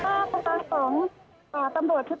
เพราะตอนนี้ก็ไม่มีเวลาให้เข้าไปที่นี่